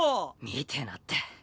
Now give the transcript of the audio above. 見てなって。